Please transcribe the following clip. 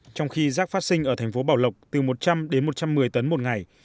trong khi rác phát sinh ở thành phố bảo lộc từ một trăm linh đến một trăm một mươi tấn một ngày